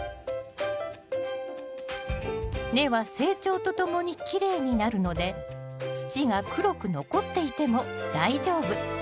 根は成長とともにきれいになるので土が黒く残っていても大丈夫。